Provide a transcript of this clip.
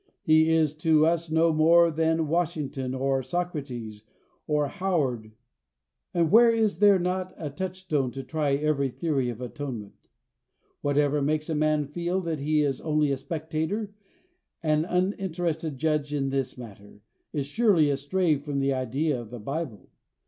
He is to us no more than Washington or Socrates, or Howard. And where is there not a touchstone to try every theory of atonement? Whatever makes a man feel that he is only a spectator, an uninterested judge in this matter, is surely astray from the idea of the Bible.